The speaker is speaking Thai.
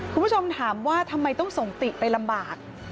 คุณผู้ชมถามว่าทำไมต้องส่งติไปลำบาก